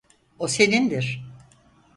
O senindir.